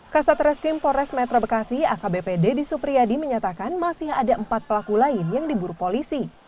kasat reskrim pores metro bekasi akbp deddy supriyadi menyatakan masih ada empat pelaku lain yang diburu polisi